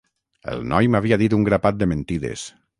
El noi m'havia dit un grapat de mentides.